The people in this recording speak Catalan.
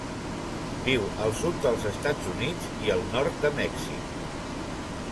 Viu al sud dels Estats Units i el nord de Mèxic.